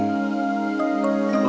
lo harus jadi pacar gue